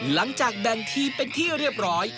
หลังจากแบ่งทีมเป็นที่เรียบร้อย